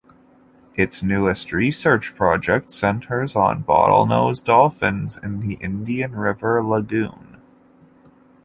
Its newest research project centers on bottlenose dolphins in the Indian River Lagoon.